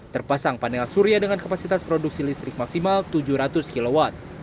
terpasang panel surya dengan kapasitas produksi listrik maksimal tujuh ratus kw